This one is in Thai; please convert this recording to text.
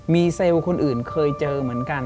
มีเซลล์คนอื่นเคยเจอเหมือนกัน